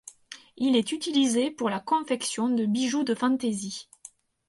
Il est utilisé pour la confection de bijoux de fantaisie.